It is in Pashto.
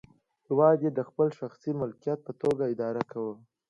هېواد یې د خپل شخصي ملکیت په توګه اداره کاوه.